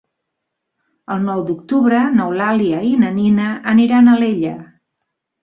El nou d'octubre n'Eulàlia i na Nina aniran a Alella.